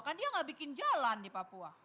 kan dia nggak bikin jalan di papua